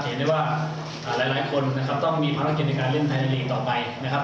เห็นได้ว่าหลายคนนะครับต้องมีภารกิจในการเล่นไทยทะเลต่อไปนะครับ